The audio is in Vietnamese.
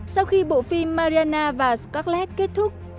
sau khi bộ phim mariana và scarlett kết thúc